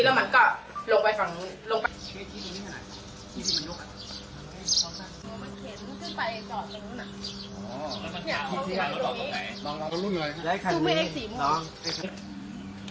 แล้วมันก็ลงไปข้างนู้น